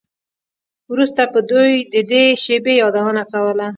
وروسته به دوی د دې شیبې یادونه کوله